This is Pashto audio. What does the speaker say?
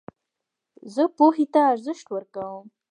زه پوهي ته ارزښت ورکوم.